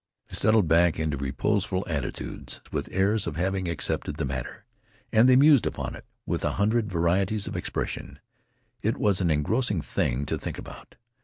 They settled back into reposeful attitudes with airs of having accepted the matter. And they mused upon it, with a hundred varieties of expression. It was an engrossing thing to think about.